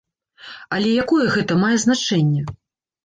Але якое гэта мае значэнне?